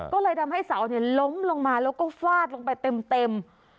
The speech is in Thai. ก็เลยทำให้เสาล้มลงมาแล้วก็ฟาดลงไปเต็ม